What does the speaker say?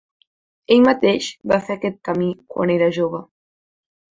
Ell mateix va fer aquest camí quan era jove.